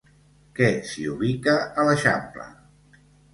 Què s'hi ubica a l'eixample?